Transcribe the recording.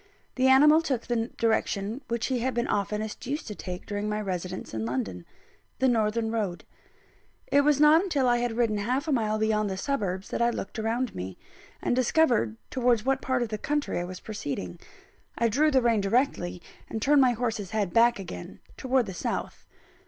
The animal took the direction which he had been oftenest used to take during my residence in London the northern road. It was not until I had ridden half a mile beyond the suburbs that I looked round me, and discovered towards what part of the country I was proceeding. I drew the rein directly, and turned my horse's head back again, towards the south.